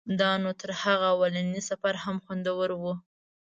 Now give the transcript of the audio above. دا نو تر هغه اولني سفر هم خوندور و.